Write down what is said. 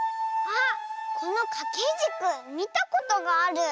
あっこのかけじくみたことがある。